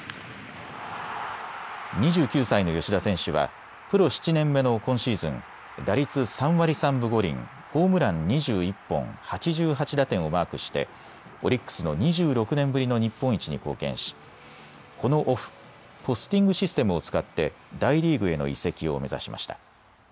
２９歳の吉田選手はプロ７年目の今シーズン、打率３割３分５厘、ホームラン２１本、８８打点をマークしてオリックスの２６年ぶりの日本一に貢献しこのオフ、ポスティングシステムを使って大リーグへの移籍を目指しました。